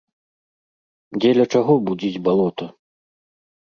Дзеля чаго будзіць балота?